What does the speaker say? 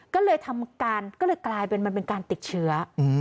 ก็เลยทำการก็เลยกลายเป็นมันเป็นการติดเชื้อ